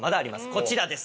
こちらです。